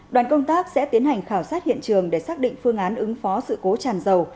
đoàn công tác sẽ tiến hành khảo sát hiện trường để xác định phương án ứng phó sự cố tràn dầu